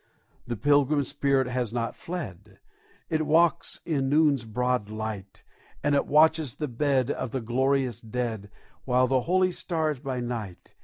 The Pilgrim spirit has not fled: It walks in noon's broad light; And it watches the bed of the glorious dead, With the holy stars by night.